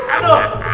aduh kepala saya